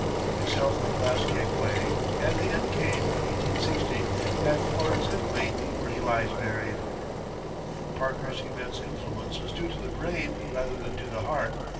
His health at last gave way, and the end came in 1860, at Florence, Italy, where he lies buried. Parker's immense influence was due to the brain rather than to the heart.